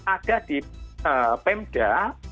ada di pemda